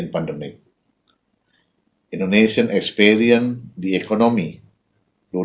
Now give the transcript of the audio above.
pada tahun ini ekonomi indonesia telah menurunkan kekurangan